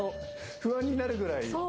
不安になるくらい。